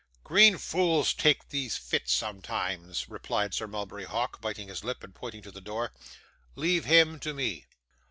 'Green fools take these fits sometimes,' replied Sir Mulberry Hawk, biting his lip, and pointing to the door. 'Leave him to me.